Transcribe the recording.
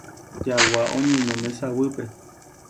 Jagua oñeno mesaguýpe.